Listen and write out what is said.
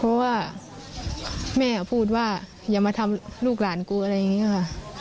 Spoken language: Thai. เพราะว่าแม่พูดว่าอย่ามาทำลูกหลานกูอะไรอย่างนี้ค่ะ